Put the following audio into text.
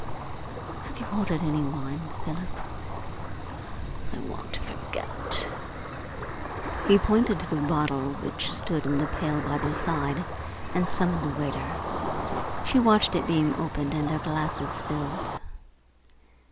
Have you ordered any wine, Philip? I want to forget." He pointed to the bottle which stood in the pail by their side, and summoned a waiter. She watched it being opened and their glasses filled.